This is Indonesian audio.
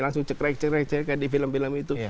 langsung cekrek cekrek kayak di film film itu